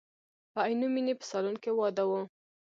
په عینومیني په سالون کې واده و.